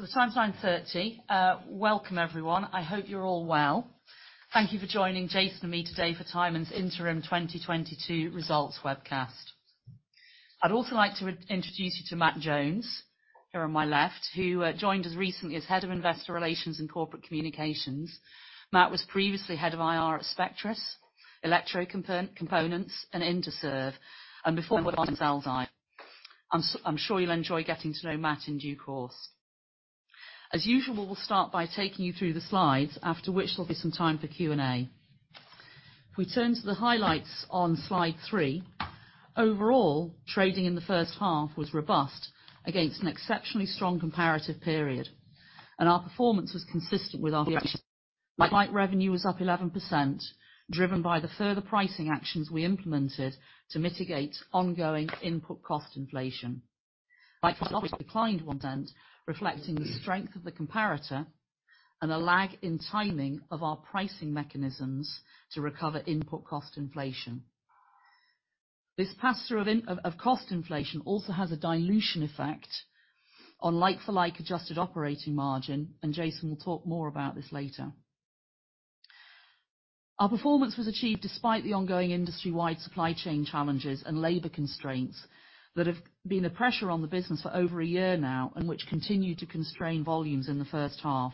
The time's 9:30 A.M. Welcome, everyone. I hope you're all well. Thank you for joining Jason and me today for Tyman's Interim 2022 Results webcast. I'd also like to re-introduce you to Matt Jones, here on my left, who joined us recently as Head of Investor Relations and Corporate Communications. Matt was previously Head of IR at Spectris, Electrocomponents, and Interserve, and before that Xaar. I'm sure you'll enjoy getting to know Matt in due course. As usual, we'll start by taking you through the slides, after which there'll be some time for Q&A. If we turn to the highlights on slide 3. Overall, trading in the first half was robust against an exceptionally strong comparative period, and our performance was consistent with our direction. Like revenue was up 11%, driven by the further pricing actions we implemented to mitigate ongoing input cost inflation. Like profit declined 1%, reflecting the strength of the comparator and a lag in timing of our pricing mechanisms to recover input cost inflation. This pass-through of input cost inflation also has a dilution effect on like-for-like adjusted operating margin, and Jason will talk more about this later. Our performance was achieved despite the ongoing industry-wide supply chain challenges and labor constraints that have been a pressure on the business for over a year now, and which continued to constrain volumes in the first half.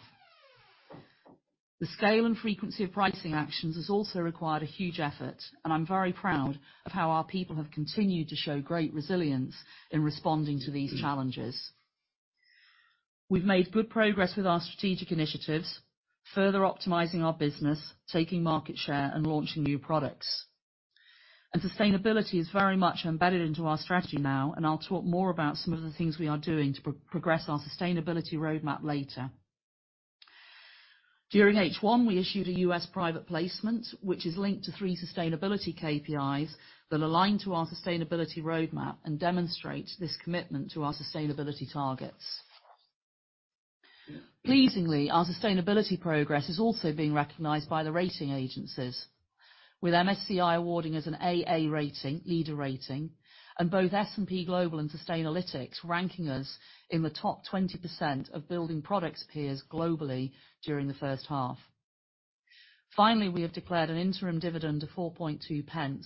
The scale and frequency of pricing actions has also required a huge effort, and I'm very proud of how our people have continued to show great resilience in responding to these challenges. We've made good progress with our strategic initiatives, further optimizing our business, taking market share, and launching new products. Sustainability is very much embedded into our strategy now, and I'll talk more about some of the things we are doing to progress our sustainability roadmap later. During H1, we issued a U.S. private placement, which is linked to three sustainability KPIs that align to our sustainability roadmap and demonstrate this commitment to our sustainability targets. Pleasingly, our sustainability progress is also being recognized by the rating agencies, with MSCI awarding us an AA rating, leader rating, and both S&P Global and Sustainalytics ranking us in the top 20% of building products peers globally during the first half. Finally, we have declared an interim dividend of 0.042,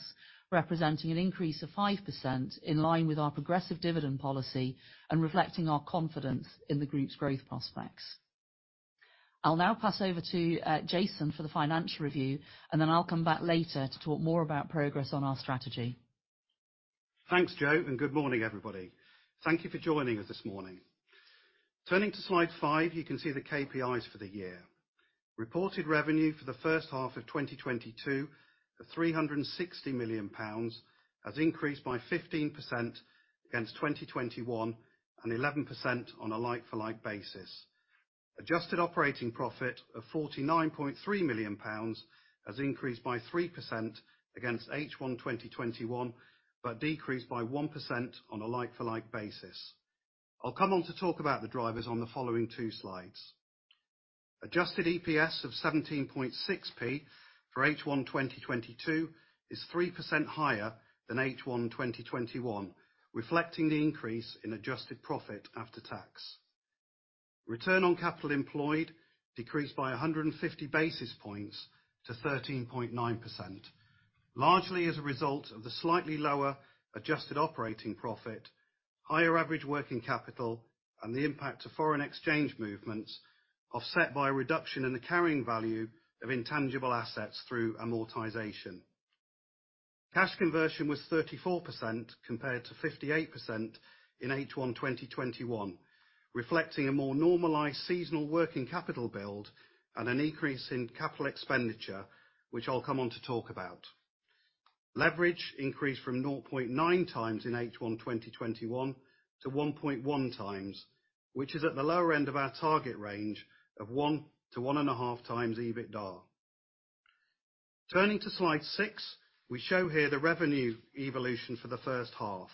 representing an increase of 5% in line with our progressive dividend policy and reflecting our confidence in the group's growth prospects. I'll now pass over to Jason for the financial review, and then I'll come back later to talk more about progress on our strategy. Thanks, Jo, and good morning, everybody. Thank you for joining us this morning. Turning to slide five, you can see the KPIs for the year. Reported revenue for the first half of 2022 of 360 million pounds has increased by 15% against 2021, and 11% on a like-for-like basis. Adjusted operating profit of 49.3 million pounds has increased by 3% against H1 2021, but decreased by 1% on a like-for-like basis. I'll come on to talk about the drivers on the following two slides. Adjusted EPS of 17.6p for H1 2022 is 3% higher than H1 2021, reflecting the increase in adjusted profit after tax. Return on capital employed decreased by 150 basis points to 13.9%, largely as a result of the slightly lower adjusted operating profit, higher average working capital, and the impact of foreign exchange movements, offset by a reduction in the carrying value of intangible assets through amortization. Cash conversion was 34% compared to 58% in H1 2021, reflecting a more normalized seasonal working capital build and an increase in capital expenditure, which I'll come on to talk about. Leverage increased from 0.9 times in H1 2021 to 1.1 times, which is at the lower end of our target range of 1-1.5 times EBITDA. Turning to slide 6, we show here the revenue evolution for the first half.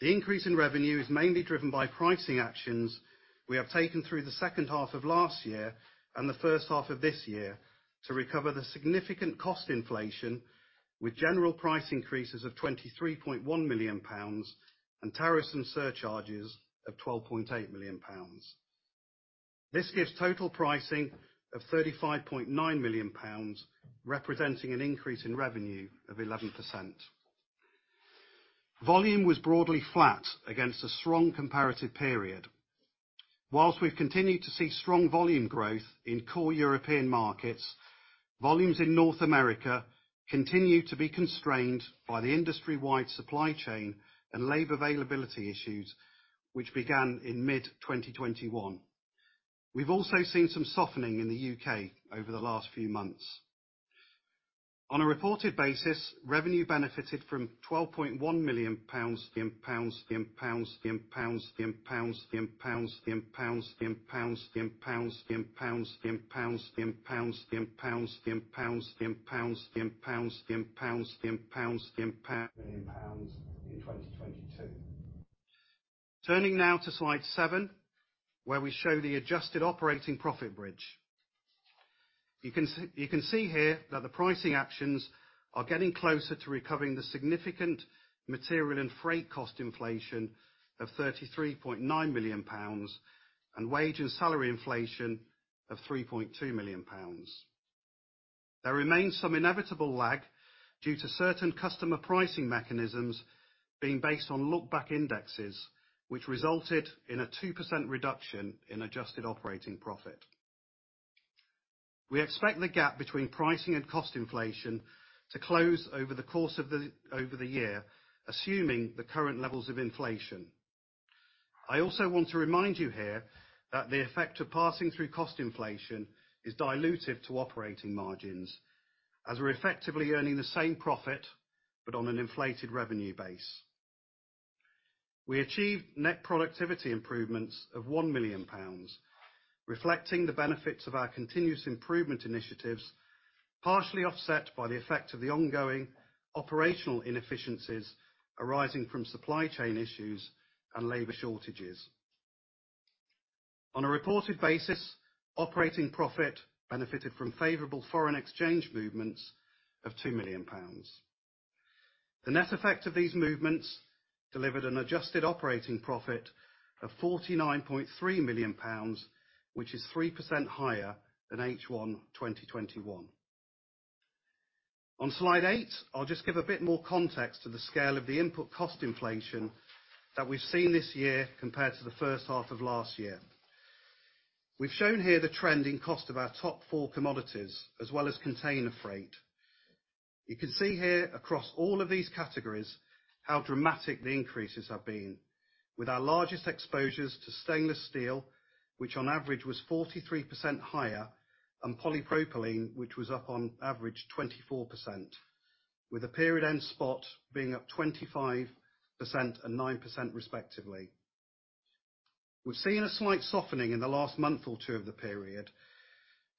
The increase in revenue is mainly driven by pricing actions we have taken through the second half of last year and the first half of this year to recover the significant cost inflation, with general price increases of 23.1 million pounds and tariffs and surcharges of 12.8 million pounds. This gives total pricing of 35.9 million pounds, representing an increase in revenue of 11%. Volume was broadly flat against a strong comparative period. While we've continued to see strong volume growth in core European markets, volumes in North America continue to be constrained by the industry-wide supply chain and labor availability issues, which began in mid-2021. We've also seen some softening in the U.K. over the last few months. On a reported basis, revenue benefited from GBP 12.1 million in 2022. Turning now to slide seven, where we show the adjusted operating profit bridge. You can see here that the pricing actions are getting closer to recovering the significant material and freight cost inflation of 33.9 million pounds, and wage and salary inflation of 3.2 million pounds. There remains some inevitable lag due to certain customer pricing mechanisms being based on look-back indexes, which resulted in a 2% reduction in adjusted operating profit. We expect the gap between pricing and cost inflation to close over the year, assuming the current levels of inflation. I also want to remind you here that the effect of passing through cost inflation is dilutive to operating margins, as we're effectively earning the same profit, but on an inflated revenue base. We achieved net productivity improvements of 1 million pounds, reflecting the benefits of our continuous improvement initiatives, partially offset by the effect of the ongoing operational inefficiencies arising from supply chain issues and labor shortages. On a reported basis, operating profit benefited from favorable foreign exchange movements of 2 million pounds. The net effect of these movements delivered an adjusted operating profit of 49.3 million pounds, which is 3% higher than H1 2021. On slide eight, I'll just give a bit more context to the scale of the input cost inflation that we've seen this year compared to the first half of last year. We've shown here the trending cost of our top four commodities, as well as container freight. You can see here across all of these categories how dramatic the increases have been. With our largest exposures to stainless steel, which on average was 43% higher, and polypropylene, which was up on average 24%, with the period end spot being up 25% and 9% respectively. We've seen a slight softening in the last month or two of the period,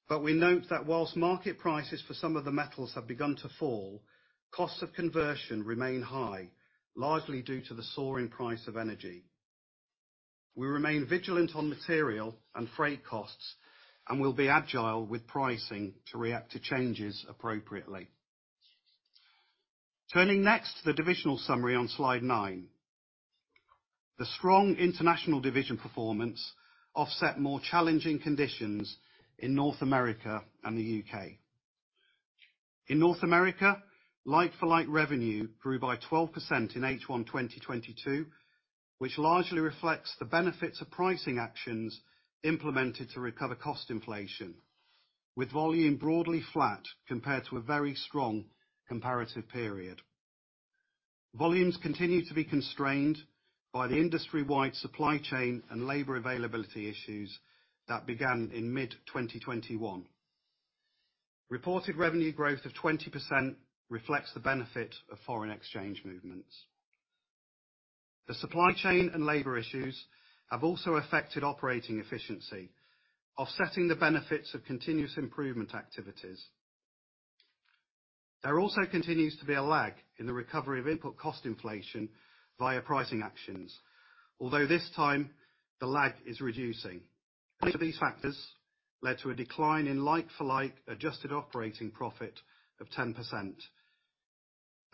but we note that while market prices for some of the metals have begun to fall, costs of conversion remain high, largely due to the soaring price of energy. We remain vigilant on material and freight costs, and we'll be agile with pricing to react to changes appropriately. Turning next to the divisional summary on slide nine. The strong international division performance offset more challenging conditions in North America and the U.K. In North America, like-for-like revenue grew by 12% in H1 2022, which largely reflects the benefits of pricing actions implemented to recover cost inflation, with volume broadly flat compared to a very strong comparative period. Volumes continue to be constrained by the industry-wide supply chain and labor availability issues that began in mid-2021. Reported revenue growth of 20% reflects the benefit of foreign exchange movements. The supply chain and labor issues have also affected operating efficiency, offsetting the benefits of continuous improvement activities. There also continues to be a lag in the recovery of input cost inflation via pricing actions, although this time the lag is reducing. Each of these factors led to a decline in like-for-like adjusted operating profit of 10%.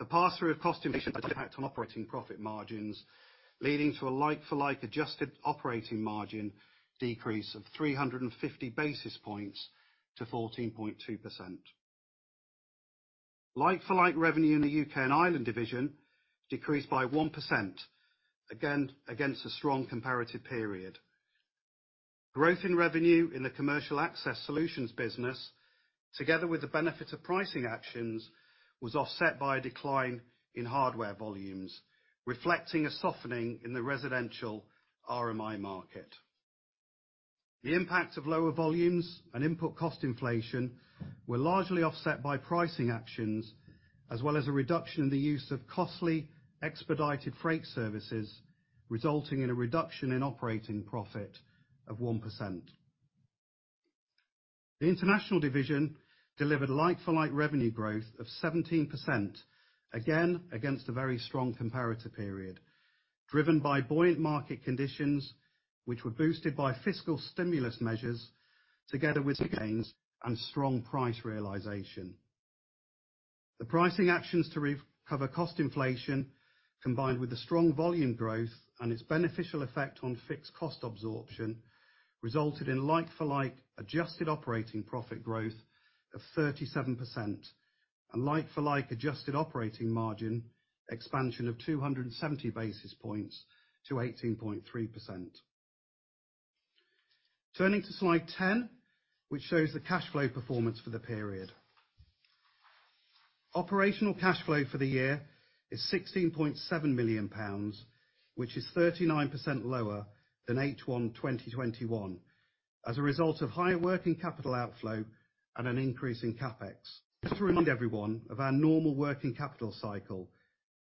The pass-through of cost inflation had an impact on operating profit margins, leading to a like-for-like adjusted operating margin decrease of 350 basis points to 14.2%. Like-for-like revenue in the U.K. and Ireland division decreased by 1%, again, against a strong comparative period. Growth in revenue in the Commercial Access Solutions business, together with the benefit of pricing actions, was offset by a decline in hardware volumes, reflecting a softening in the residential RMI market. The impact of lower volumes and input cost inflation were largely offset by pricing actions, as well as a reduction in the use of costly expedited freight services, resulting in a reduction in operating profit of 1%. The international division delivered like-for-like revenue growth of 17%, again, against a very strong comparator period, driven by buoyant market conditions, which were boosted by fiscal stimulus measures together with gains and strong price realization. The pricing actions to recover cost inflation, combined with the strong volume growth and its beneficial effect on fixed cost absorption, resulted in like-for-like adjusted operating profit growth of 37%, and like-for-like adjusted operating margin expansion of 270 basis points to 18.3%. Turning to slide 10, which shows the cash flow performance for the period. Operational cash flow for the year is 16.7 million pounds, which is 39% lower than H1 2021 as a result of higher working capital outflow and an increase in CapEx. Just to remind everyone of our normal working capital cycle,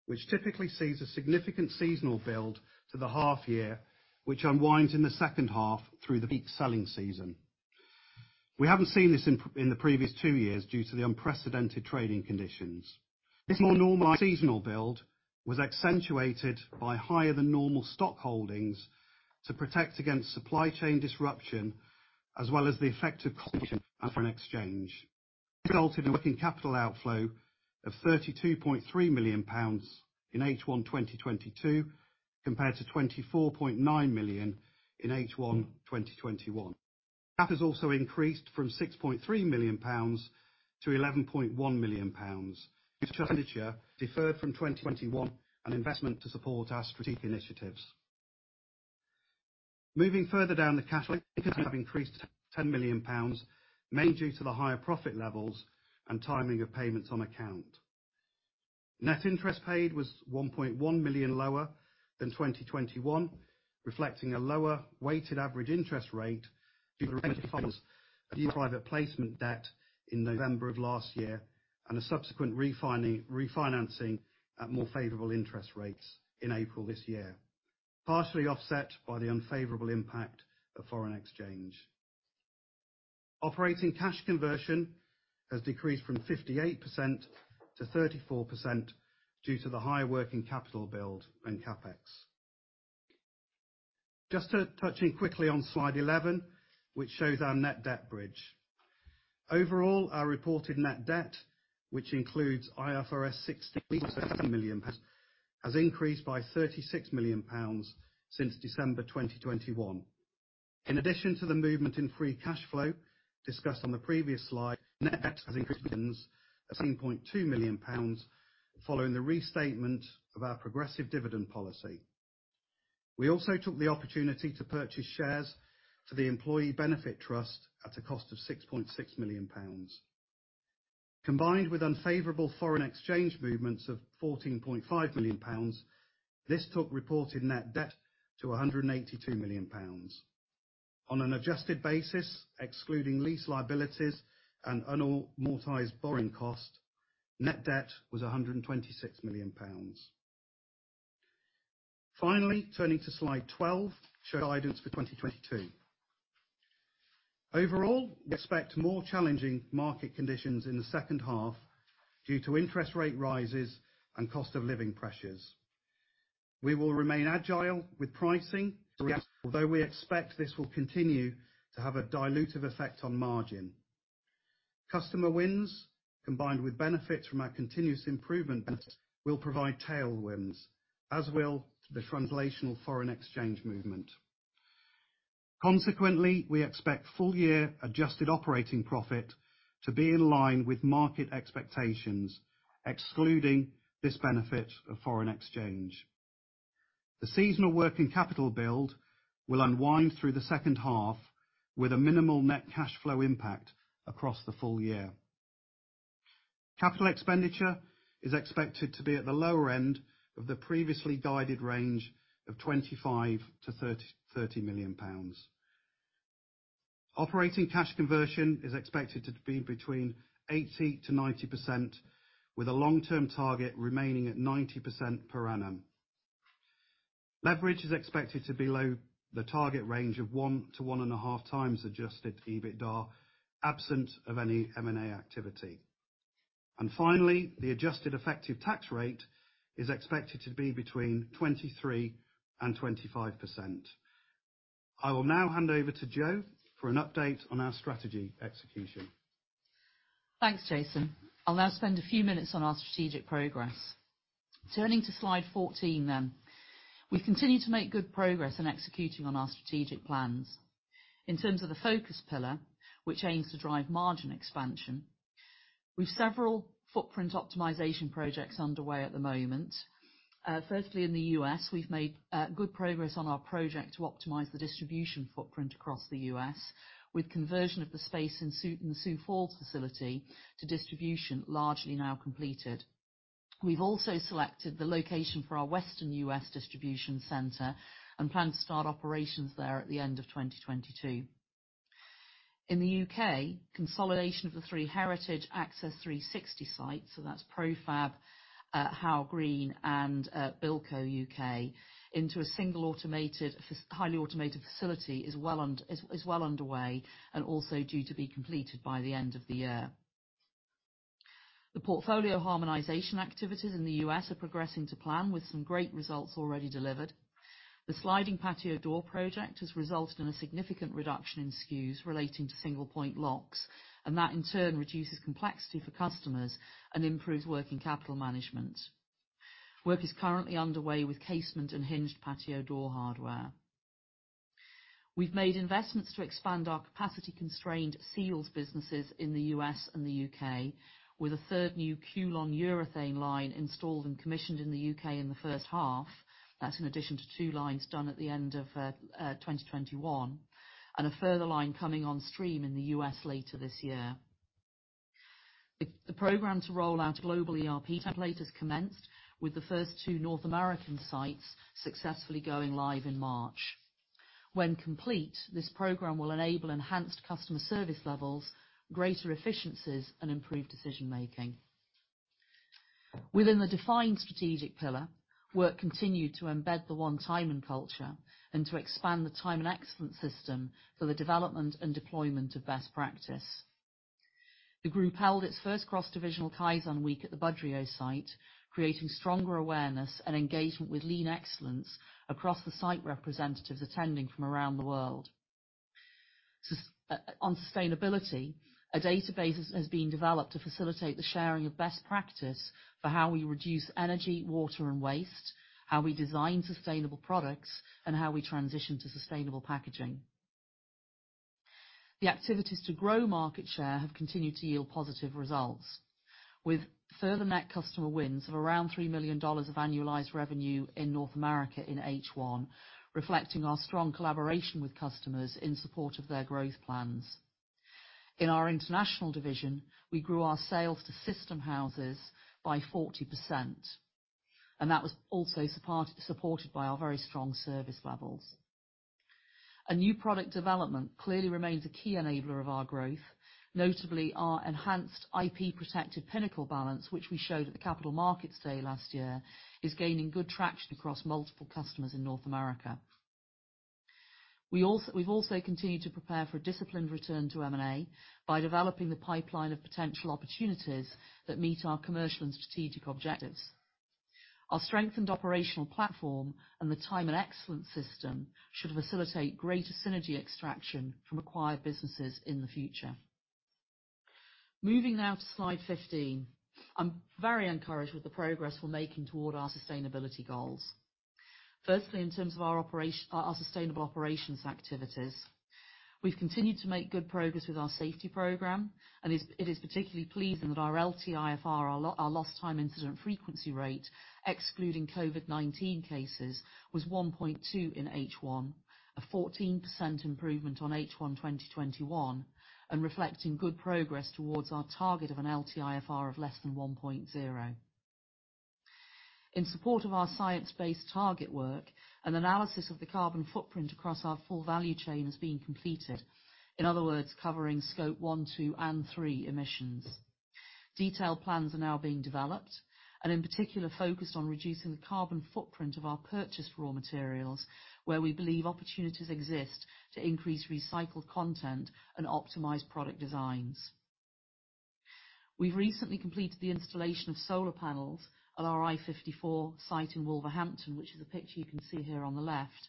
which typically sees a significant seasonal build to the half year, which unwinds in the second half through the peak selling season. We haven't seen this in the previous two years due to the unprecedented trading conditions. This more normalized seasonal build was accentuated by higher than normal stock holdings to protect against supply chain disruption, as well as the effect of currency foreign exchange. Resulted in working capital outflow of 32.3 million pounds in H1 2022 compared to 24.9 million in H1 2021. CapEx has also increased from 6.3 million pounds to 11.1 million pounds [inaudible] from 2021, an investment to support our critical initiatives. Moving further down the cash flow, it has increased 10 million pounds mainly due to the higher profit levels and timing of payments on account. Net interest paid was 1.1 million lower than 2021, reflecting a lower weighted average interest rate due to the placement debt in November of last year, and a subsequent refinancing at more favourable interest rates in April this year. Partly offest by the unfavourable impact of foreign exchange. Operating cash conversion has decreased from 58% to 34% due to the high working capital build and CapEx. Just touching quickly on slide 11, which shows our net debt bridge. Overall, our reported net debt which includes [inaudible] has increased by 36 million pounds since December 2021. In addition to the movement in free cash flow discussed on the previous slide, the same point 2 million pounds. Following the restatement of our progressive dividend policy, we also took the opportunity to purchase shares to the Employee Benefit Trust at a cost of 6.6 million pounds. Combined with unfavourable foreign exchange movements of 14.5 million pounds, this took reporting net debt to 182 million pounds. On an adjusted basis, excluding lease liabilities and unallocated borrowing cost, net debt was 126 million pounds. Finally, turning to slide 12 shows indents for 2022. Overall, expect more challenging market conditions in the second half due to interest rate rises and cost of living pressures. We will dial with pricing though we expect this will continue to have a dilutive effect on margin. Customer wins combined with benefits from our continuous improvement and we'll provide taill wins as well to the translational foreign exchange movement. Consequently, we expect full year adjusted operating profit to be in line with market expectations. Exploiting this benefit of foreign exchange. The seasonal working capital build will unwind through the second half with minimal net cash flow impact across the full year. Capital expenditure is expected to be at the lower end of the previously guided range of 25 to 30 million pounds. Operating cash conversion is expected to be between 80% to 90% with long term target remaining at 90% per annum. Leverage is expected to below the target range of 1 to 1 /12 time adjusted EBITDA, absent of any M&A activity. And hopefully, the adjusted effective tax rate is expected to be between 23% and 25%. I will now hand over to Jo for an update on our strategy execution. Thanks, Jason. I'll now spend a few minutes on our strategic progress. Turning to slide 14 then. We continue to make good progress in executing on our strategic plans. In terms of the focus pillar, which aims to drive margin expansion, we've several footprint optimization projects underway at the moment. Firstly, in the U.S., we've made good progress on our project to optimize the distribution footprint across the U.S. with conversion of the space in Sioux Falls facility to distribution largely now completed. We've also selected the location for our western U.S. distribution center and plan to start operations there at the end of 2022. In the U.K., consolidation of the three Access 360 sites, so that's Profab, Howe Green and Bilco UK, into a single highly automated facility is well underway and also due to be completed by the end of the year. The portfolio harmonization activities in the U.S. are progressing to plan with some great results already delivered. The sliding patio door project has resulted in a significant reduction in SKUs relating to single point locks, and that in turn reduces complexity for customers and improves working capital management. Work is currently underway with casement and hinged patio door hardware. We've made investments to expand our capacity-constrained seals businesses in the U.S. and the U.K. with a third new Q-Lon urethane line installed and commissioned in the U.K. in the first half. That's in addition to two lines done at the end of 2021, and a further line coming on stream in the U.S. later this year. The program to roll out global ERP template has commenced, with the first two North American sites successfully going live in March. When complete, this program will enable enhanced customer service levels, greater efficiencies, and improved decision-making. Within the defined strategic pillar. Work continued to embed the One Tyman culture and to expand the Tyman Excellence System for the development and deployment of best practice. The group held its first cross-divisional Kaizen week at the Budrio site, creating stronger awareness and engagement with lean excellence across the site representatives attending from around the world. On sustainability, a database has been developed to facilitate the sharing of best practice for how we reduce energy, water, and waste, how we design sustainable products, and how we transition to sustainable packaging. The activities to grow market share have continued to yield positive results, with further net customer wins of around $3 million of annualized revenue in North America in H1, reflecting our strong collaboration with customers in support of their growth plans. In our international division, we grew our sales to system houses by 40%, and that was also supported by our very strong service levels. New product development clearly remains a key enabler of our growth, notably our enhanced IP-protected Pinnacle Balance, which we showed at the Capital Markets Day last year, is gaining good traction across multiple customers in North America. We've also continued to prepare for a disciplined return to M&A by developing the pipeline of potential opportunities that meet our commercial and strategic objectives. Our strengthened operational platform and the Tyman Excellence System should facilitate greater synergy extraction from acquired businesses in the future. Moving now to slide 15. I'm very encouraged with the progress we're making toward our sustainability goals. Firstly, in terms of our operations. Our sustainable operations activities. We've continued to make good progress with our safety program, and it is particularly pleasing that our LTIFR, our lost time incident frequency rate, excluding COVID-19 cases, was 1.2 in H1, a 14% improvement on H1 2021, and reflecting good progress towards our target of an LTIFR of less than 1.0. In support of our science-based target work, an analysis of the carbon footprint across our full value chain is being completed. In other words, covering Scope 1, 2, and 3 emissions. Detailed plans are now being developed, and in particular, focused on reducing the carbon footprint of our purchased raw materials, where we believe opportunities exist to increase recycled content and optimize product designs. We've recently completed the installation of solar panels at our i54 site in Wolverhampton, which is the picture you can see here on the left,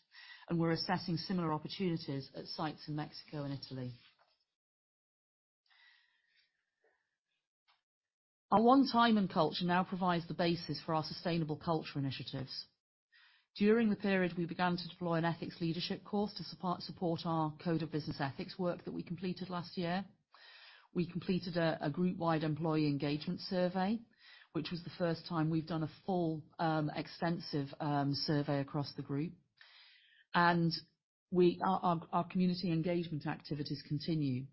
and we're assessing similar opportunities at sites in Mexico and Italy. Our One Tyman culture now provides the basis for our sustainable culture initiatives. During the period, we began to deploy an ethics leadership course to support our Code of Business Ethics work that we completed last year. We completed a group-wide employee engagement survey, which was the first time we've done a full, extensive, survey across the group. Our community engagement activities continue.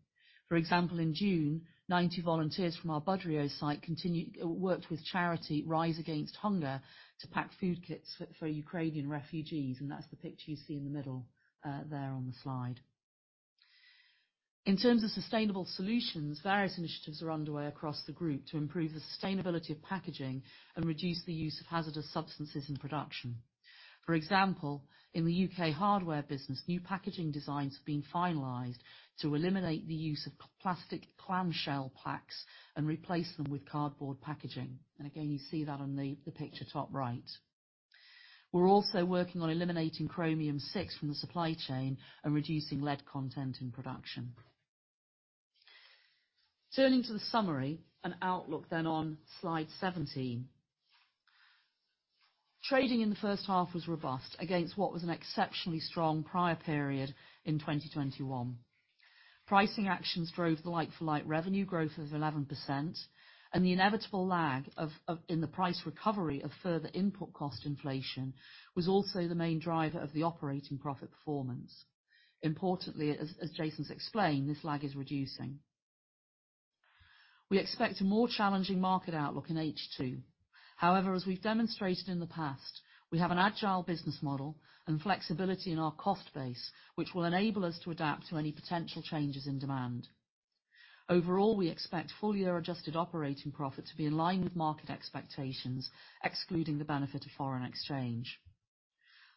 For example, in June, 90 volunteers from our Budrio site worked with charity Rise Against Hunger to pack food kits for Ukrainian refugees, and that's the picture you see in the middle, there on the slide. In terms of sustainable solutions, various initiatives are underway across the group to improve the sustainability of packaging and reduce the use of hazardous substances in production. For example, in the UK hardware business, new packaging designs have been finalized to eliminate the use of polypropylene clamshell packs and replace them with cardboard packaging. You see that on the picture top right. We're also working on eliminating chromium-6 from the supply chain and reducing lead content in production. Turning to the summary and outlook on slide 17. Trading in the first half was robust against what was an exceptionally strong prior period in 2021. Pricing actions drove the like-for-like revenue growth of 11%, and the inevitable lag in the price recovery of further input cost inflation was also the main driver of the operating profit performance. Importantly, as Jason's explained, this lag is reducing. We expect a more challenging market outlook in H2. However, as we've demonstrated in the past, we have an agile business model and flexibility in our cost base, which will enable us to adapt to any potential changes in demand. Overall, we expect full-year adjusted operating profit to be in line with market expectations, excluding the benefit of foreign exchange.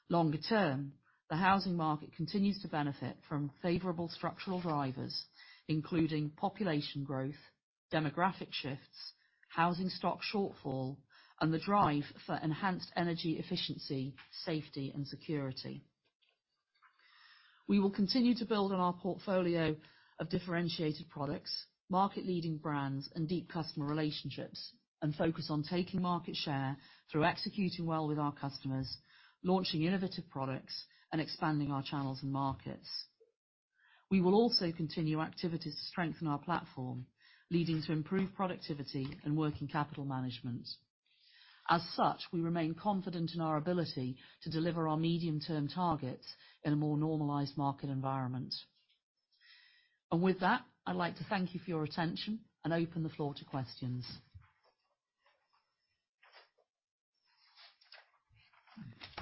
Longer term, the housing market continues to benefit from favorable structural drivers, including population growth, demographic shifts, housing stock shortfall, and the drive for enhanced energy efficiency, safety, and security. We will continue to build on our portfolio of differentiated products, market-leading brands, and deep customer relationships, and focus on taking market share through executing well with our customers, launching innovative products, and expanding our channels and markets. We will also continue activities to strengthen our platform, leading to improved productivity and working capital management. As such, we remain confident in our ability to deliver our medium-term targets in a more normalized market environment. With that, I'd like to thank you for your attention and open the floor to questions.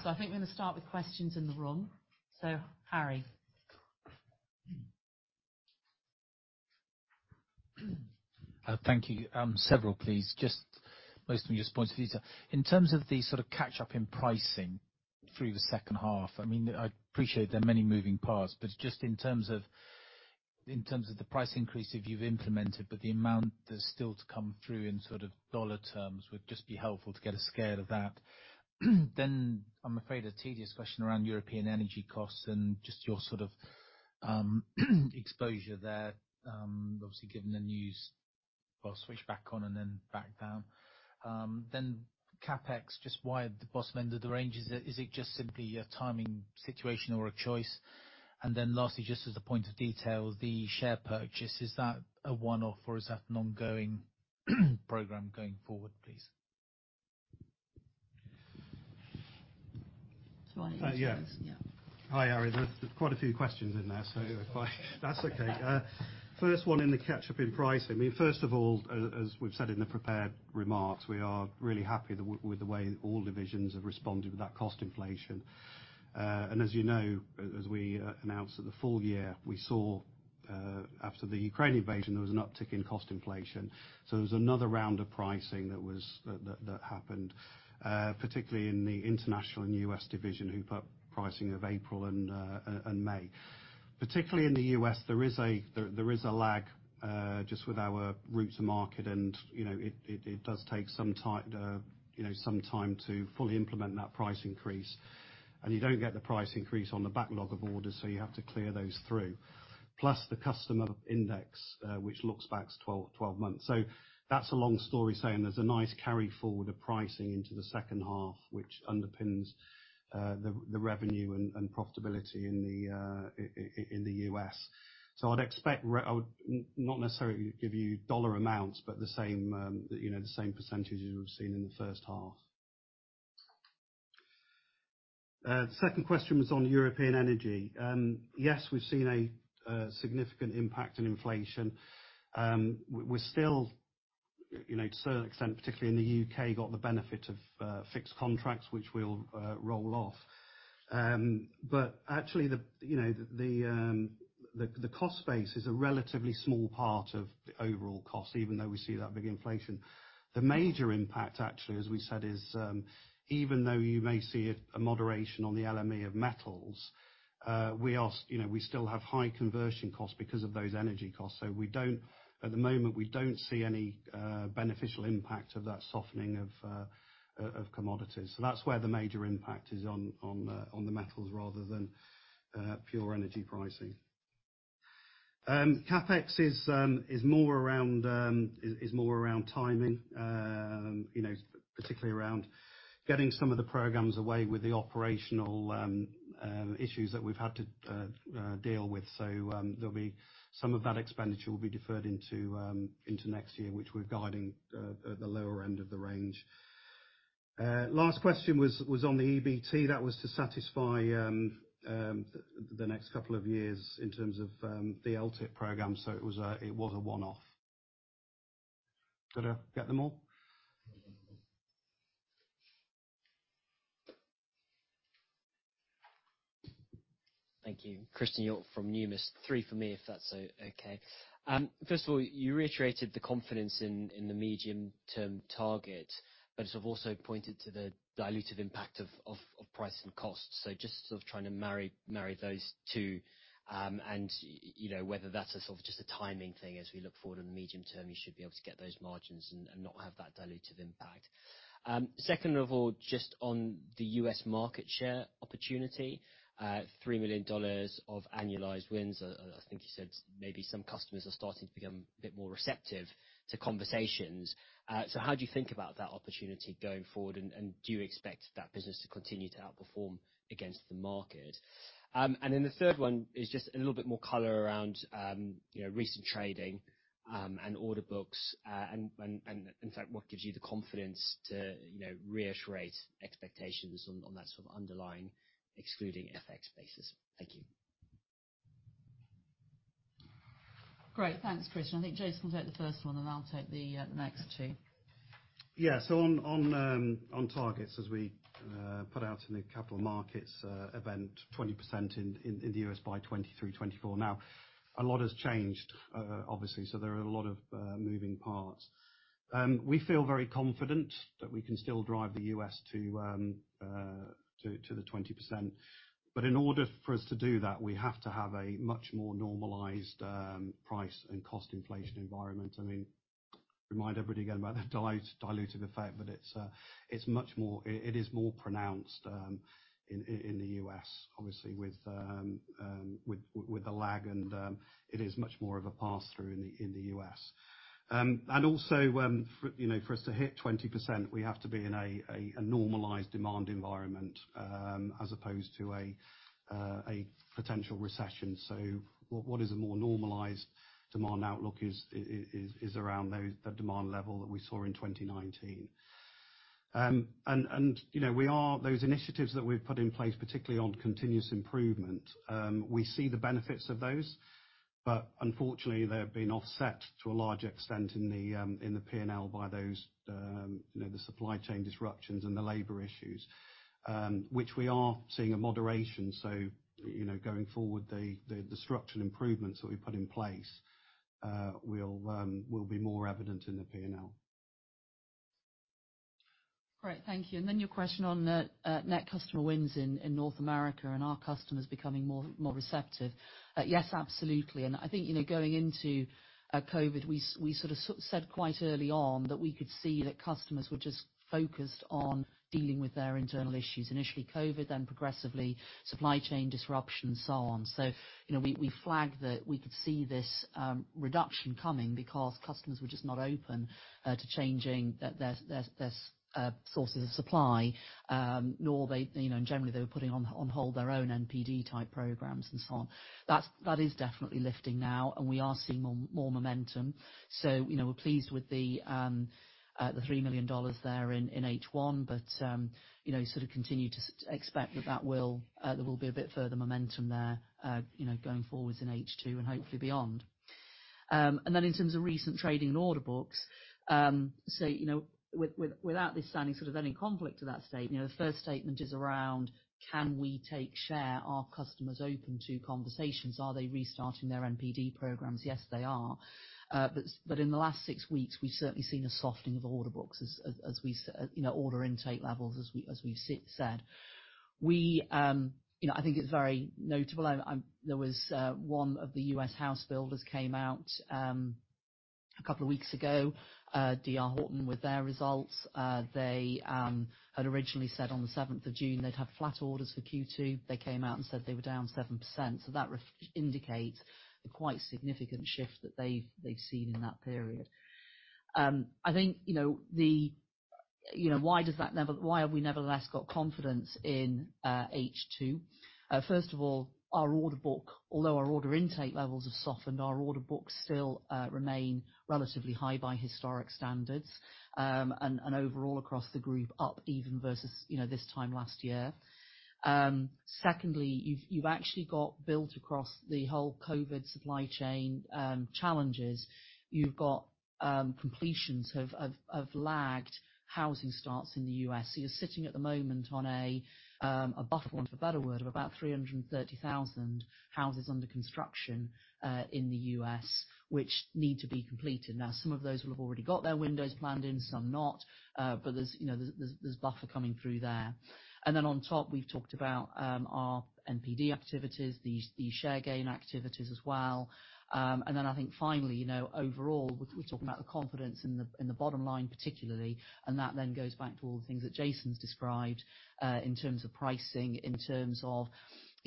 I think we're gonna start with questions in the room. Harry? Thank you. Several, please. Just most of them just points of view. In terms of the sort of catch up in pricing through the second half, I mean, I appreciate there are many moving parts, but just in terms of the price increases you've implemented, but the amount that's still to come through in sort of dollar terms would just be helpful to get a scale of that. I'm afraid a tedious question around European energy costs and just your sort of exposure there, obviously given the news. I'll switch back on and then back down. CapEx, just why the bottom end of the range? Is it just simply a timing situation or a choice? Lastly, just as a point of detail, the share purchase, is that a one-off or is that an ongoing program going forward, please? Why don't you start? Yeah. Yeah. Hi, Harry. There's quite a few questions in there. That's okay. First one in the catch-up in pricing. I mean, first of all, as we've said in the prepared remarks, we are really happy with the way all divisions have responded with that cost inflation. And as you know, as we announced at the full year, we saw after the Ukraine invasion, there was an uptick in cost inflation, so there was another round of pricing that happened, particularly in the international and US division who put pricing of April and May. Particularly in the U.S., there is a lag, just with our route to market and, you know, it does take some time to fully implement that price increase. You don't get the price increase on the backlog of orders, so you have to clear those through. Plus the customer index, which looks back 12 months. That's a long story saying there's a nice carry forward of pricing into the second half, which underpins the revenue and profitability in the U.S. I would not necessarily give you dollar amounts, but the same, you know, the same percentages we've seen in the first half. The second question was on European energy. Yes, we've seen a significant impact in inflation. We're still, you know, to a certain extent, particularly in the U.K., got the benefit of fixed contracts which will roll off. Actually, you know, the cost base is a relatively small part of the overall cost, even though we see that big inflation. The major impact, actually, as we said, is even though you may see a moderation on the LME of metals, you know, we still have high conversion costs because of those energy costs, so we don't, at the moment, we don't see any beneficial impact of that softening of commodities. That's where the major impact is on the metals rather than pure energy pricing. CapEx is more around timing, you know, particularly around getting some of the programs away with the operational issues that we've had to deal with. There'll be some of that expenditure will be deferred into next year, which we're guiding at the lower end of the range. Last question was on the EBT. That was to satisfy the next couple of years in terms of the LTIP program, so it was a one-off. Did I get them all? Thank you. Christian Maher from Numis. Three for me, if that's okay. First of all, you reiterated the confidence in the medium term target, but sort of also pointed to the dilutive impact of price and cost. Just sort of trying to marry those two, and you know, whether that's a sort of just a timing thing as we look forward in the medium term, you should be able to get those margins and not have that dilutive impact. Second of all, just on the U.S. market share opportunity, $3 million of annualized wins, I think you said maybe some customers are starting to become a bit more receptive to conversations. How do you think about that opportunity going forward? Do you expect that business to continue to outperform against the market? The third one is just a little bit more color around, you know, recent trading, and order books, and in fact, what gives you the confidence to, you know, reiterate expectations on that sort of underlying, excluding FX basis. Thank you. Great. Thanks, Christian. I think Jason can take the first one, and I'll take the next two. On targets, as we put out in the capital markets event, 20% in the U.S. by 2023-2024. Now, a lot has changed, obviously, so there are a lot of moving parts. We feel very confident that we can still drive the U.S. to the 20%. But in order for us to do that, we have to have a much more normalized price and cost inflation environment. I mean, remind everybody again about the dilutive effect, but it is more pronounced in the U.S., obviously with the lag and it is much more of a pass-through in the U.S. You know, for us to hit 20%, we have to be in a normalized demand environment, as opposed to a potential recession. What is a more normalized demand outlook is around the demand level that we saw in 2019. You know, those initiatives that we've put in place, particularly on continuous improvement, we see the benefits of those, but unfortunately, they've been offset to a large extent in the P&L by the supply chain disruptions and the labor issues, which we are seeing a moderation. You know, going forward, the structural improvements that we've put in place will be more evident in the P&L. Great. Thank you. Then your question on the net customer wins in North America and our customers becoming more receptive. Yes, absolutely. I think, you know, going into COVID, we sorta said quite early on that we could see that customers were just focused on dealing with their internal issues. Initially COVID, then progressively supply chain disruption and so on. You know, we flagged that we could see this reduction coming because customers were just not open to changing their sources of supply, nor they, you know, and generally they were putting on hold their own NPD type programs and so on. That is definitely lifting now, and we are seeing more momentum. We're pleased with the $3 million there in H1, but we sort of continue to expect that there will be a bit further momentum there going forward in H2 and hopefully beyond. In terms of recent trading and order books, without this standing sort of any conflict to that statement, the first statement is around can we take share? Are customers open to conversations? Are they restarting their NPD programs? Yes, they are. But in the last six weeks, we've certainly seen a softening of order books as we said. You know, order intake levels as we said. We, you know, I think it's very notable. There was one of the U.S. house builders came out a couple of weeks ago, D.R. Horton with their results. They had originally said on June 7th, they'd have flat orders for Q2. They came out and said they were down 7%, so that indicates the quite significant shift that they've seen in that period. I think you know. You know, why have we nevertheless got confidence in H2? First of all, our order book, although our order intake levels have softened, our order book still remain relatively high by historic standards. And overall across the group up even versus you know this time last year. Secondly, you've actually got a build-up across the whole COVID supply chain challenges. You've got completions of lagged housing starts in the U.S. You're sitting at the moment on a buffer, want of a better word, of about 330,000 houses under construction in the U.S., which need to be completed. Now, some of those will have already got their windows planned in, some not. There's, you know, buffer coming through there. On top, we've talked about our NPD activities, the share gain activities as well. I think finally, you know, overall, we're talking about the confidence in the bottom line particularly, and that goes back to all the things that Jason's described in terms of pricing, in terms of,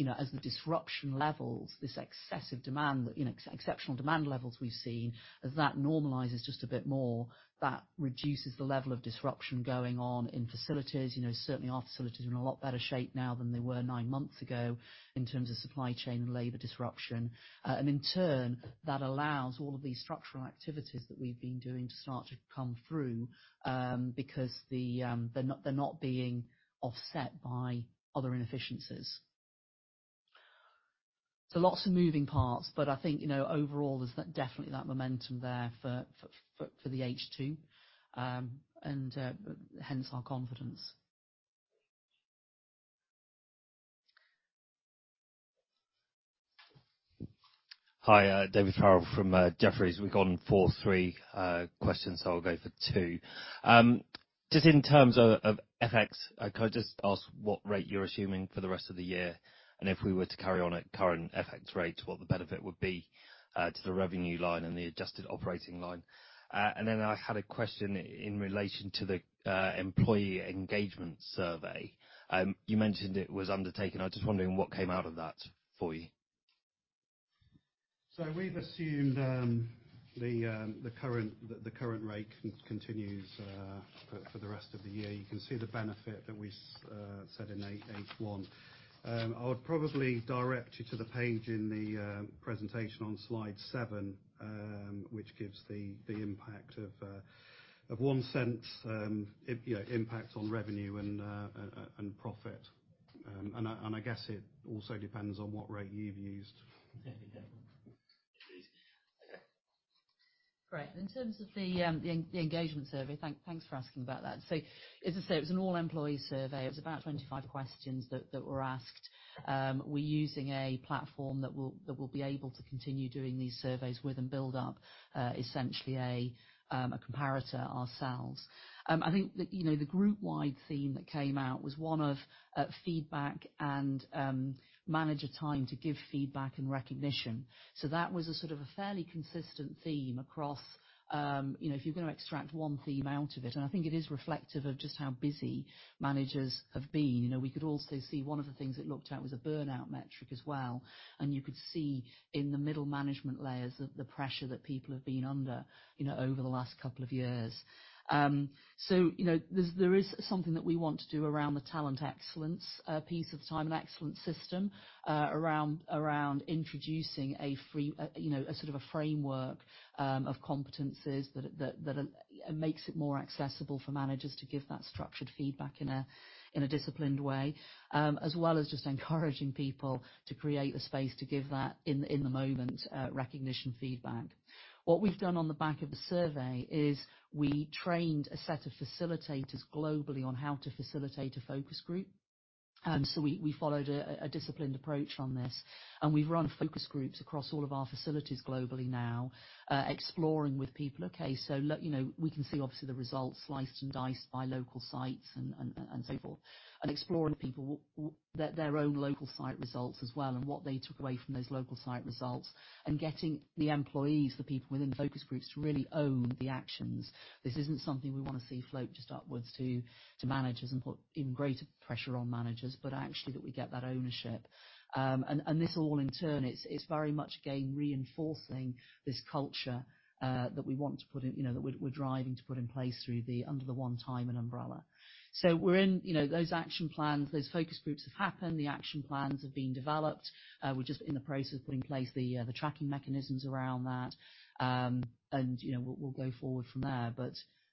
you know, as the disruption levels, this excessive demand, you know, exceptional demand levels we've seen, as that normalizes just a bit more, that reduces the level of disruption going on in facilities. You know, certainly our facilities are in a lot better shape now than they were nine months ago in terms of supply chain and labor disruption. In turn, that allows all of these structural activities that we've been doing to start to come through, because they're not being offset by other inefficiencies. Lots of moving parts, but I think, you know, overall, there's that definitely that momentum there for the H2, and hence our confidence. Hi, David Farrell from Jefferies. We've gone 43 questions, so I'll go for two. Just in terms of FX, could I just ask what rate you're assuming for the rest of the year? If we were to carry on at current FX rates, what the benefit would be to the revenue line and the adjusted operating line. I had a question in relation to the employee engagement survey. You mentioned it was undertaken. I was just wondering what came out of that for you. We've assumed the current rate continues for the rest of the year. You can see the benefit that we set in H1. I would probably direct you to the page in the presentation on slide seven, which gives the impact of one cent, you know, impact on revenue and profit. I guess it also depends on what rate you've used. Great. In terms of the engagement survey, thanks for asking about that. As I say, it was an all-employee survey. It was about 25 questions that were asked. We're using a platform that we'll be able to continue doing these surveys with and build up essentially a comparator ourselves. I think the, you know, the group wide theme that came out was one of, feedback and, manager time to give feedback and recognition. That was a sort of a fairly consistent theme across, you know, if you're gonna extract one theme out of it. I think it is reflective of just how busy managers have been. You know, we could also see one of the things it looked at was a burnout metric as well, and you could see in the middle management layers, the pressure that people have been under, you know, over the last couple of years. You know, there is something that we want to do around the talent excellence piece of the Tyman Excellence System around introducing a free, you know, a sort of a framework of competencies that makes it more accessible for managers to give that structured feedback in a disciplined way, as well as just encouraging people to create the space to give that in the moment recognition feedback. What we've done on the back of the survey is we trained a set of facilitators globally on how to facilitate a focus group. We followed a disciplined approach on this, and we've run focus groups across all of our facilities globally now, exploring with people. Okay, so to let you know, we can see obviously the results sliced and diced by local sites and so forth, and exploring with people their own local site results as well, and what they took away from those local site results and getting the employees, the people within the focus groups to really own the actions. This isn't something we wanna see float just upwards to managers and put even greater pressure on managers, but actually that we get that ownership. This all in turn, it's very much again reinforcing this culture that we want to put in, you know, that we're driving to put in place under the One Tyman umbrella. We're in, you know, those action plans. Those focus groups have happened. The action plans have been developed. We're just in the process of putting in place the tracking mechanisms around that. You know, we'll go forward from there.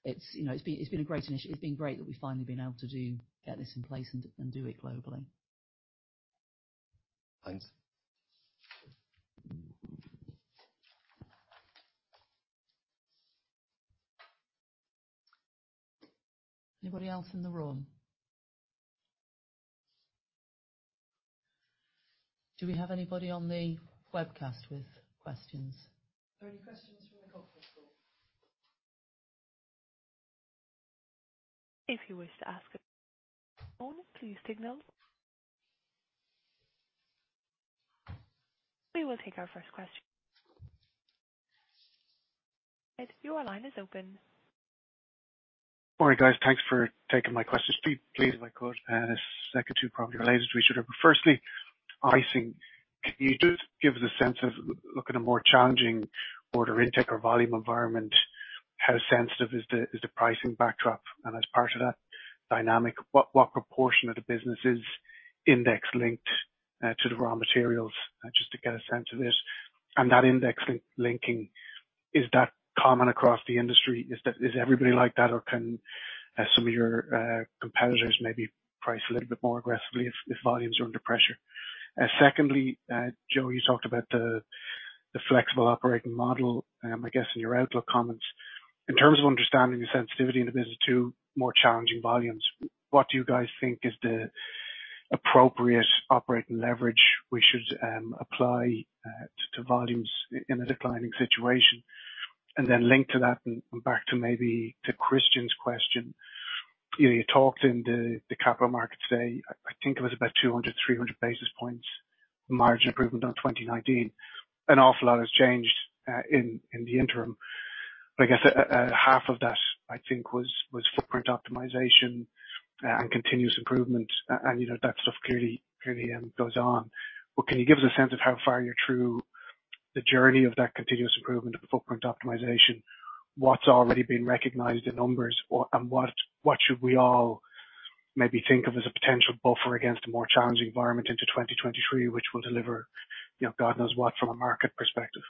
It's been a great initiative. It's been great that we've finally been able to get this in place and do it globally. Thanks. Anybody else in the room? Do we have anybody on the webcast with questions? Are there any questions from the conference call? If you wish to ask a question, please signal. We will take our first question. Ed, your line is open. All right, guys. Thanks for taking my questions. Two, please, if I could, and the second two probably related to each other. Firstly, pricing. Can you just give us a sense of a more challenging order intake or volume environment? How sensitive is the pricing backdrop? And as part of that dynamic, what proportion of the business is index linked to the raw materials? Just to get a sense of this. And that index linking, is that common across the industry? Is everybody like that, or can some of your competitors maybe price a little bit more aggressively if volumes are under pressure? Secondly, Jo, you talked about the flexible operating model, I guess in your outlook comments. In terms of understanding the sensitivity in the business to more challenging volumes, what do you guys think is the appropriate operating leverage we should apply to volumes in a declining situation? Linked to that and back to maybe to Christian's question, you know, you talked in the capital market today. I think it was about 200-300 basis points margin improvement on 2019. An awful lot has changed in the interim, but I guess half of that I think was footprint optimization and continuous improvement and, you know, that stuff clearly goes on. Can you give us a sense of how far you're through the journey of that continuous improvement of the footprint optimization? What's already been recognized in numbers or what should we all maybe think of as a potential buffer against a more challenging environment into 2023, which will deliver, you know, God knows what from a market perspective?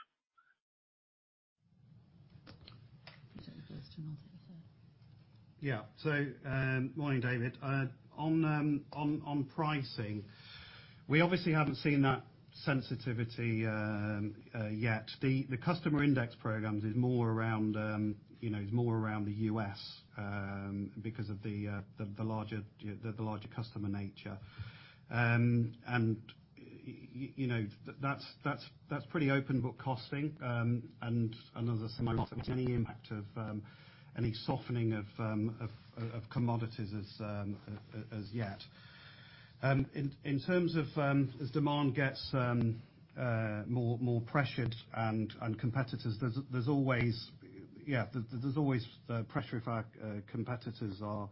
You take the first and I'll take the second. Yeah, morning David. On pricing, we obviously haven't seen that sensitivity yet. The customer index programs is more around the U.S. because of the larger customer nature. You know, that's pretty open book costing, and no similar impact of any softening of commodities as yet. In terms of as demand gets more pressured and competitors, there's always the pressure if our competitors are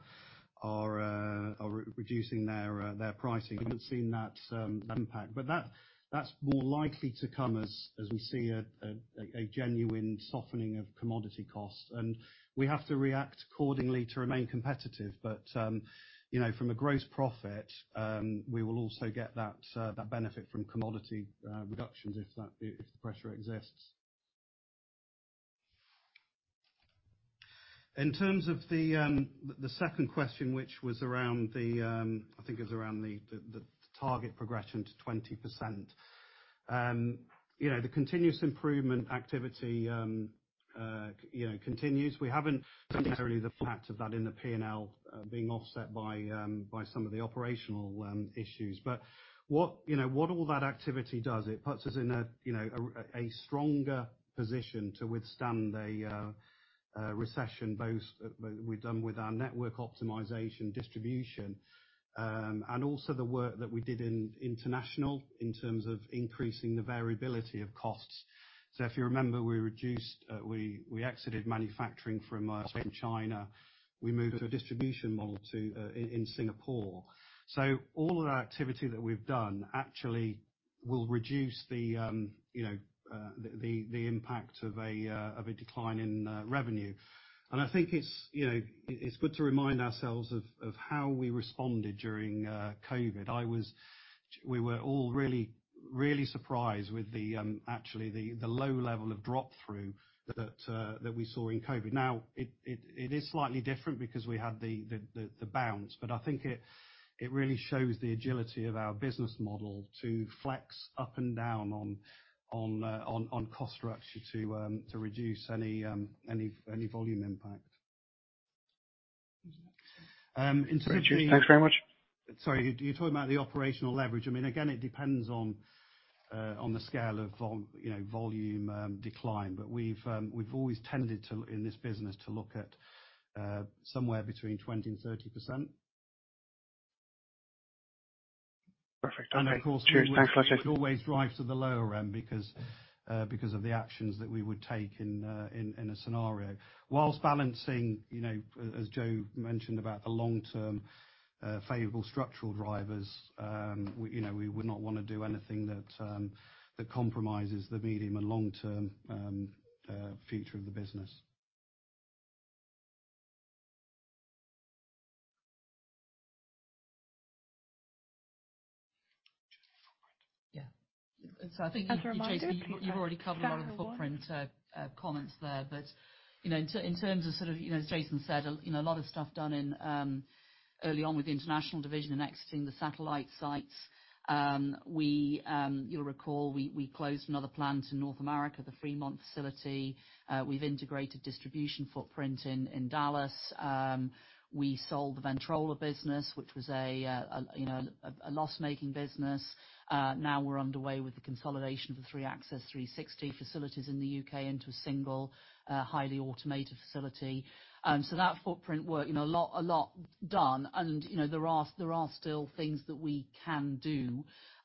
reducing their pricing. We haven't seen that impact, but that's more likely to come as we see a genuine softening of commodity costs. We have to react accordingly to remain competitive. From a gross profit, we will also get that benefit from commodity reductions if that pressure exists. In terms of the second question, which was around the, I think it was around the target progression to 20%. You know, the continuous improvement activity continues. We haven't seen necessarily the fact of that in the P&L being offset by some of the operational issues. What all that activity does, it puts us in a stronger position to withstand a recession, both with what we've done with our network optimization distribution, and also the work that we did in international in terms of increasing the variability of costs. If you remember, we exited manufacturing from China. We moved to a distribution model in Singapore. All of that activity that we've done actually will reduce the impact of a decline in revenue. I think it's good to remind ourselves of how we responded during COVID. We were all really surprised with actually the low level of drop through that we saw in COVID. Now it is slightly different because we had the bounce, but I think it really shows the agility of our business model to flex up and down on cost structure to reduce any volume impact. In terms of- Thanks very much. Sorry, you're talking about the operational leverage. I mean, again, it depends on the scale of volume decline, but we've always tended to, in this business, to look at somewhere between 20% and 30%. Perfect. Okay. Cheers. Thanks a lot. Of course, we would always drive to the lower end because of the actions that we would take in a scenario. While balancing, you know, as Jo mentioned about the long-term favorable structural drivers, we, you know, we would not wanna do anything that compromises the medium and long-term future of the business. Yeah. I think you- As a reminder, please state. You've already covered. That's the one. A lot of the footprint comments there. You know, in terms of sort of, you know, as Jason said, a lot of stuff done early on with the international division and exiting the satellite sites. You'll recall, we closed another plant in North America, the Fremont facility. We've integrated distribution footprint in Dallas. We sold the Ventrolla business, which was a loss-making business. Now we're underway with the consolidation of the three Access 360 facilities in the U.K. into a single, highly automated facility. That footprint work, you know, a lot done. You know, there are still things that we can do.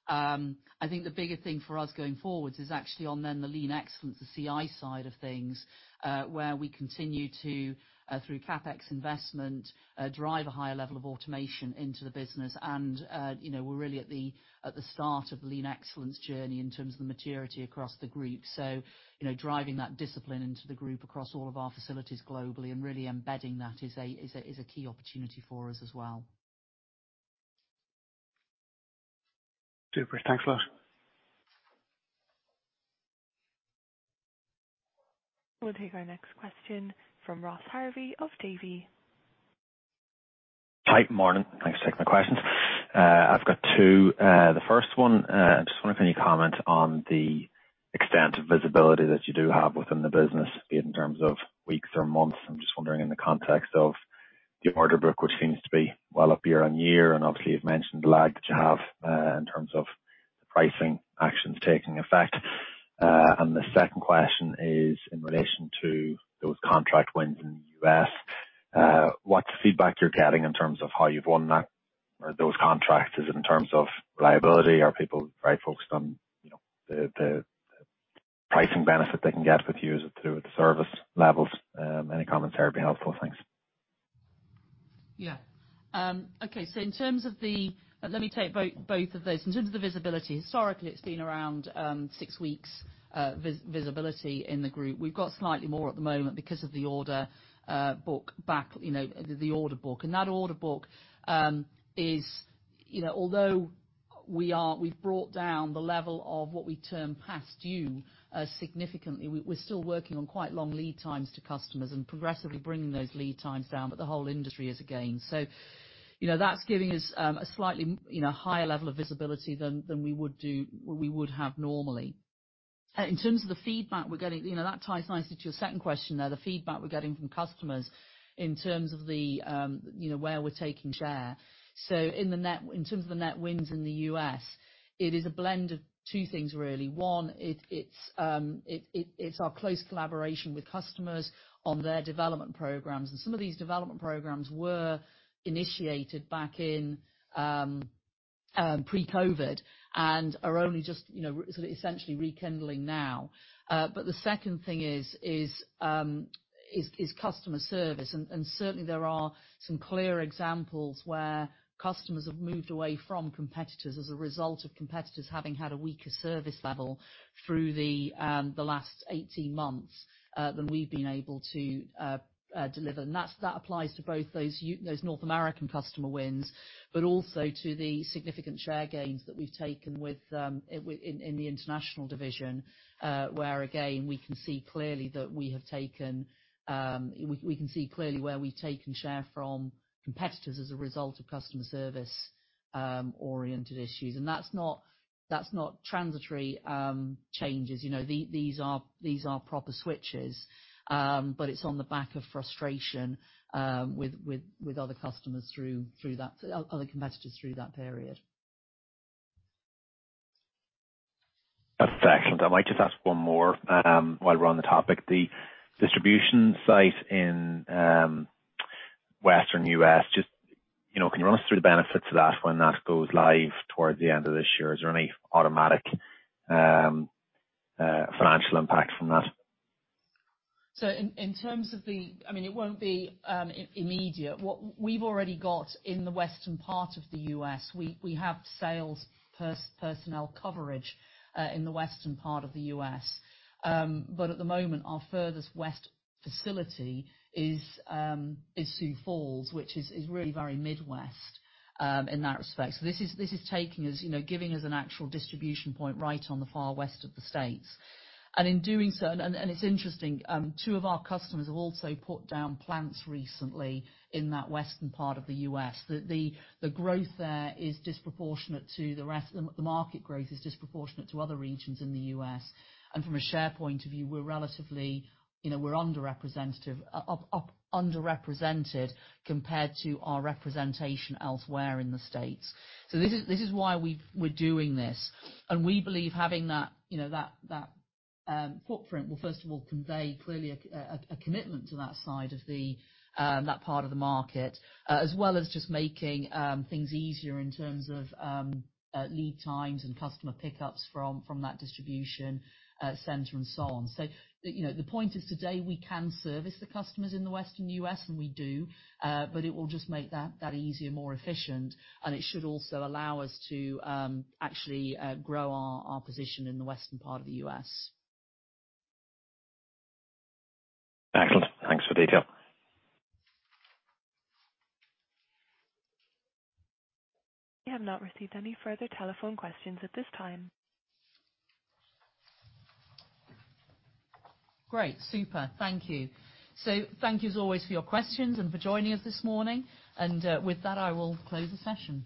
I think the bigger thing for us going forward is actually on the lean excellence, the CI side of things, where we continue to through CapEx investment drive a higher level of automation into the business. You know, we're really at the start of the lean excellence journey in terms of the maturity across the group. You know, driving that discipline into the group across all of our facilities globally and really embedding that is a key opportunity for us as well. Super. Thanks a lot. We'll take our next question from Ross Harvey of Davy. Hi. Morning. Thanks for taking the questions. I've got two. The first one, I just wonder if you can comment on the extent of visibility that you do have within the business, be it in terms of weeks or months. I'm just wondering in the context of the order book, which seems to be well up year on year, and obviously you've mentioned the lag that you have, in terms of the pricing actions taking effect. The second question is in relation to those contract wins in the U.S. What feedback you're getting in terms of how you've won that or those contracts? Is it in terms of reliability? Are people very focused on, you know, the pricing benefit they can get with you through the service levels? Any comments there would be helpful. Thanks. Yeah. In terms of the visibility, let me take both of those. In terms of the visibility, historically, it's been around six weeks visibility in the group. We've got slightly more at the moment because of the order book backlog, you know, the order book. That order book is, you know, although we've brought down the level of what we term past due significantly, we're still working on quite long lead times to customers and progressively bringing those lead times down. The whole industry is again. You know, that's giving us a slightly higher level of visibility than we would have normally. In terms of the feedback we're getting, you know, that ties nicely to your second question there. The feedback we're getting from customers in terms of, you know, where we're taking share. In terms of the net wins in the U.S, it is a blend of two things, really. One, it's our close collaboration with customers on their development programs. Some of these development programs were initiated back in pre-COVID and are only just, you know, sort of essentially rekindling now. The second thing is customer service. Certainly there are some clear examples where customers have moved away from competitors as a result of competitors having had a weaker service level through the last 18 months than we've been able to deliver. That applies to both those North American customer wins, but also to the significant share gains that we've taken within the international division, where again, we can see clearly where we've taken share from competitors as a result of customer service oriented issues. That's not transitory changes. You know, these are proper switches. But it's on the back of frustration with other competitors through that period. That's excellent. I might just ask one more, while we're on the topic. The distribution site in western U.S., just, you know, can you run us through the benefits of that when that goes live towards the end of this year? Is there any automatic, financial impact from that? In terms of the, I mean, it won't be immediate. What we've already got in the western part of the U.S., we have sales personnel coverage in the western part of the U.S. At the moment, our furthest west facility is Sioux Falls, which is really very Midwest in that respect. This is taking us, you know, giving us an actual distribution point right on the far west of the States. In doing so, it's interesting, two of our customers have also put down plants recently in that western part of the U.S. The market growth there is disproportionate to other regions in the U.S. From a share point of view, we're relatively, you know, underrepresented compared to our representation elsewhere in the States. This is why we're doing this. We believe having that footprint will, first of all, convey clearly a commitment to that side of that part of the market, as well as just making things easier in terms of lead times and customer pickups from that distribution center and so on. You know, the point is today, we can service the customers in the western U.S., and we do. But it will just make that easier, more efficient, and it should also allow us to actually grow our position in the western part of the U.S. Excellent. Thanks for the detail. We have not received any further telephone questions at this time. Great. Super. Thank you. Thank you as always for your questions and for joining us this morning. With that, I will close the session.